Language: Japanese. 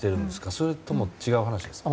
それとも違う話ですか？